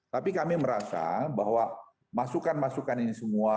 tapi kami merasa bahwa masukan masukan ini semua